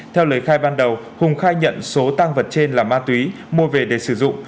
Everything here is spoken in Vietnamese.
theo lời khai ban đầu hùng khai nhận số tang vật trên là ma túy mua về để sử dụng